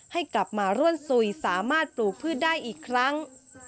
ให้กลับมาร่วมสุยสามารถปลูกพืชได้อีกครั้ง